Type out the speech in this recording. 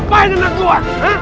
lu apa aja anak gua